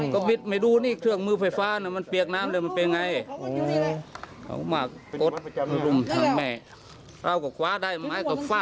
จะตากให้แห้งไงแต่บังเอิญน้ำมันกระเด็นไปโดนเลื่อยไฟฟ้า